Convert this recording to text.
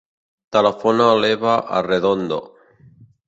Telefona a l'Eva Arredondo.